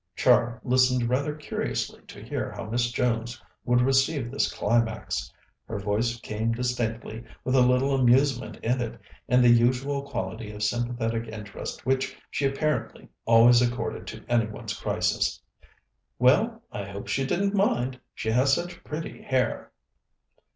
Char listened rather curiously to hear how Miss Jones would receive this climax. Her voice came distinctly, with a little amusement in it, and the usual quality of sympathetic interest which she apparently always accorded to any one's crisis. "Well, I hope she didn't mind. She has such pretty hair."